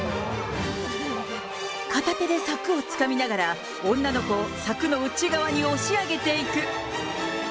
片手で柵をつかみながら、女の子を柵の内側に押し上げていく。